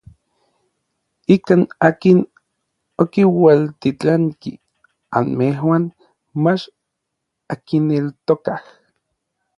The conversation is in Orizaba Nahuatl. Ikan akin okiualtitlanki anmejuan mach ankineltokaj.